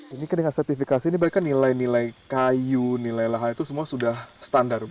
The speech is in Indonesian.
ini dengan sertifikasi ini berarti kan nilai nilai kayu nilai nilai hal itu semua sudah standar bu